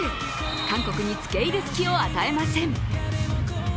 韓国につけいる隙を与えません。